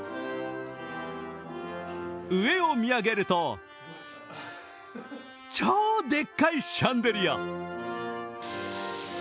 上を見上げると超でっかいシャンデリア。